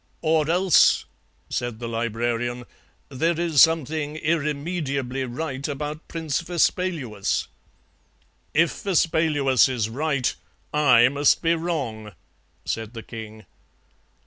"'Or else,' said the Librarian, 'there is something irremediably right about Prince Vespaluus.' "'If Vespaluus is right I must be wrong,' said the king.